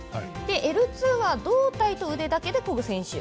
Ｌ２は胴体と腕だけでこぐ選手。